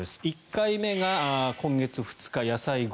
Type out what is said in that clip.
１回目が今月２日、野菜５ｋｇ。